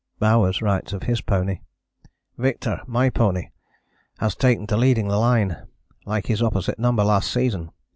Bowers writes of his pony: "Victor, my pony, has taken to leading the line, like his opposite number last season.